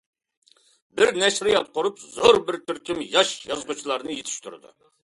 بىر نەشرىيات قۇرۇپ زور بىر تۈركۈم ياش يازغۇچىلارنى يېتىشتۈرىدۇ.